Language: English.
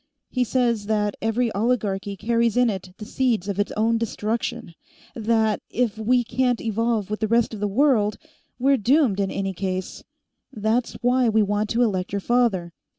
He says that every oligarchy carries in it the seeds of its own destruction; that if we can't evolve with the rest of the world, we're doomed in any case. That's why we want to elect your father.